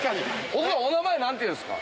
お名前何ていうんですか？